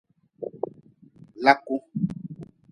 Laku.